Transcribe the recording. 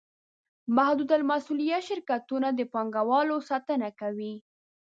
محدودالمسوولیت شرکتونه د پانګوالو ساتنه کوي.